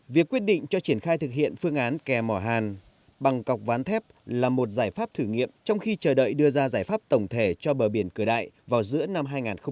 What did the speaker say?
việc quyết định cho triển khai thực hiện phương án kè mỏ hàn bằng cọc ván thép là một giải pháp thử nghiệm trong khi chờ đợi đưa ra giải pháp tổng thể cho bờ biển cửa đại vào giữa năm hai nghìn hai mươi